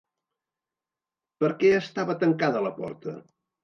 Per què estava tancada la porta?